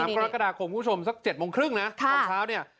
กรกฎาคมคุณผู้ชมสัก๗โมงครึ่งนะตอนเช้าเนี่ย